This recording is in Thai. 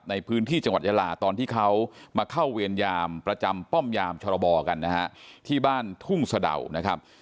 ในพื้นที่จังหวัดยาลาตอนที่เขามาเข้าเวรยามประจำป้อมยามชรบกันนะฮะที่บ้านทุ่งสะดาวนะครับ